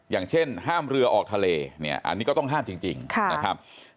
อย่างเช่นห้ามเรือออกทะเลเนี่ยอันนี้ก็ต้องห้ามจริงนะครับ